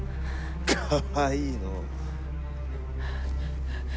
かわいいのう。